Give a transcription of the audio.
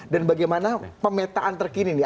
dan bagaimana pemetaan terkini nih